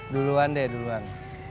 duluan deh duluan